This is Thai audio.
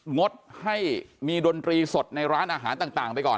งดให้มีดนตรีสดในร้านอาหารต่างไปก่อน